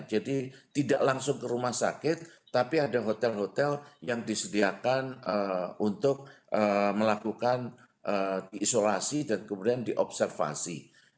jadi tidak langsung ke rumah sakit tapi ada hotel hotel yang disediakan untuk melakukan isolasi dan kemudian diobservasi